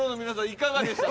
いかがでした？